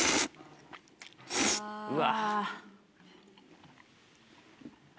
うわ。